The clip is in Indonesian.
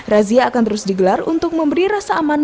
razia akan terus digelar untuk memberi rasa aman